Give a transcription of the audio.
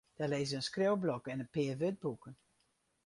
Der lizze in skriuwblok en in pear wurdboeken.